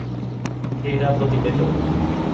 ক্রীড়া প্রতিবেদক